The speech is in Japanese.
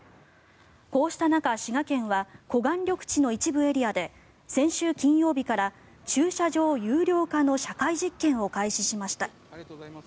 こうした中、滋賀県は湖岸緑地の一部エリアで先週金曜日から駐車場有料化の社会実験を開始しました。